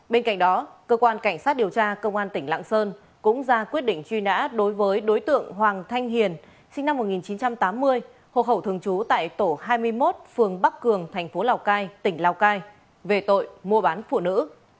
bên cạnh đó cơ quan cảnh sát điều tra công an tỉnh lạng sơn cũng ra quyết định truy nã đối với đối tượng hoàng thanh hiền sinh năm một nghìn chín trăm tám mươi hồ hậu thường chú